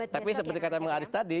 tapi seperti kata pak ma'ruf tadi